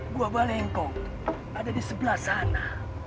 buah balengkong ada di sebelah sana